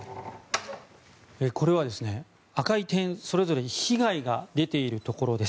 これは赤い点、それぞれ被害が出ているところです。